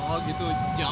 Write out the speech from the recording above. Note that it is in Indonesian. oh gitu jauh